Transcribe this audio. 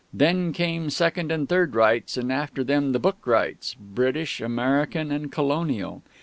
Then came second and third rights, and after them the book rights, British, American, and Colonial.